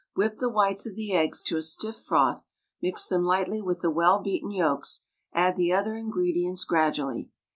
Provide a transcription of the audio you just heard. Whip the whites of the eggs to a stiff froth, mix them lightly with the well beaten yolks, add the other ingredients gradually.